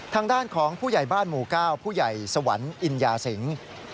ทางด้านของผู้ใหญ่บ้านหมู่๙ผู้ใหญ่สวรรค์อินยาสิงศ์